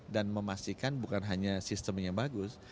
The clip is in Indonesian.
dan memastikan bukan hanya sistemnya bagus